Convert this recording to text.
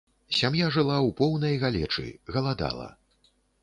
Сям'я жыла ў поўнай галечы, галадала.